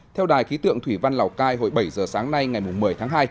theo đài khí tượng thủy văn lào cai hồi bảy giờ sáng nay ngày một mươi tháng hai